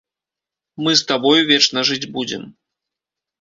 Мы з табою вечна жыць будзем.